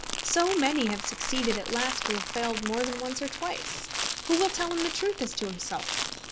So many have succeeded at last who have failed more than once or twice! Who will tell him the truth as to himself?